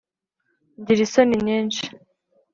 Ngira isoni nyinshi